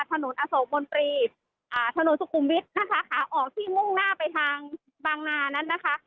อโศกมนตรีอ่าถนนสุขุมวิทย์นะคะขาออกที่มุ่งหน้าไปทางบางนานั้นนะคะ